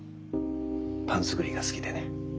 パン作りが好きでね。